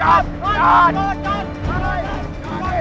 ฮแกที่